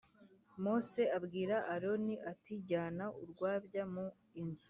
Mose abwira Aroni ati Jyana urwabya mu inzu.